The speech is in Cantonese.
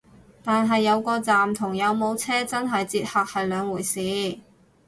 但係有個站同有冇車真係載客係兩回事